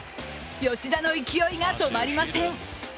吉田の勢いが止まりません。